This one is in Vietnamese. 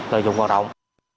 lợi dụng hoạt động